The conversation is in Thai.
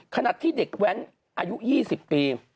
ขณะที่เด็กแว้นอายุ๒๐ปี